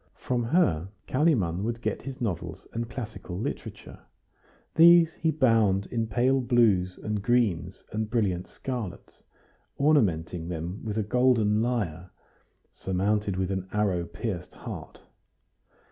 From her, Kalimann would get his novels and classical literature; these he bound in pale blues and greens and brilliant scarlets, ornamenting them with a golden lyre, surmounted with an arrow pierced heart.